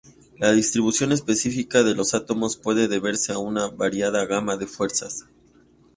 La distribución específica de los átomos puede deberse a una variada gama de fuerzas.